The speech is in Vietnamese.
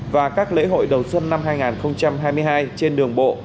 và các lễ hội đầu xuân năm hai nghìn hai mươi hai trên đường bộ